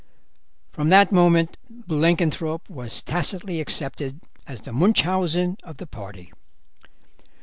From that moment Blenkinthrope was tacitly accepted as the Munchausen of the party.